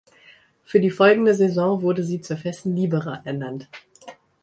Für die folgende Saison wurde sie zur festen Libera ernannt.